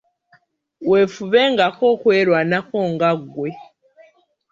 Weefubengako okwerwanako nga ggwe.